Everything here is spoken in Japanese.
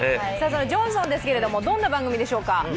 「ジョンソン」ですけど、どんな番組でしょうか？